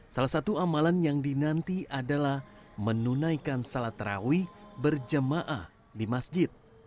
salah satu amalan yang dinanti adalah menunaikan salat terawih berjemaah di masjid